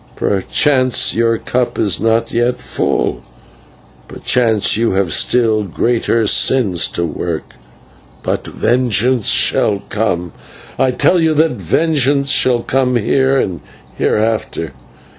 Perchance your cup is not yet full; perchance you have still greater sins to work: but vengeance shall come I tell you that vengeance shall come here and hereafter.